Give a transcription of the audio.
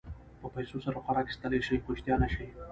په پیسو سره خوراک اخيستلی شې خو اشتها نه شې.